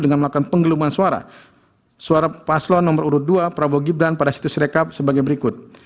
dengan melakukan penggeluman suara suara paslon nomor urut dua prabowo gibran pada situs rekap sebagai berikut